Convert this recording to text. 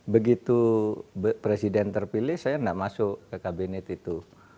begitu presiden terpilih saya tidak masuk ke kabinet itu